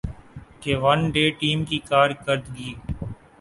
کہ one day team کی کارکردگی